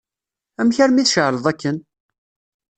Amek armi tceεleḍ akken?